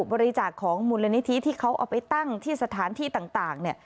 บริจาคของมูลนิธิที่เขาเอาไปตั้งที่สถานที่ต่างเนี่ย